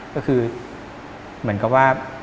ก็คือเหมือนกับว่า